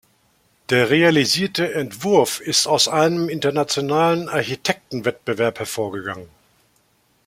Der realisierte Entwurf ist aus einem internationalen Architektenwettbewerb hervorgegangen.